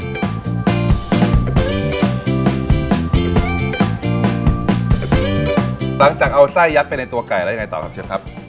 หลังจากเอาไส้ยัดไปในตัวไก่แล้วยังไงต่อครับเชิญครับ